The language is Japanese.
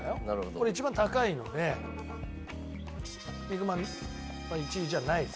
これ一番高いので肉まんは１位じゃないです。